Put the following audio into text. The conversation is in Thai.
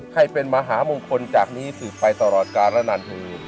ให้เป็นมหามงคลจากนี้สืบไปตลอดกาลนานที